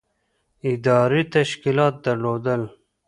ادارې تشکیلات درلودل.